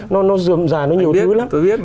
nó rượm rà nó nhiều thứ lắm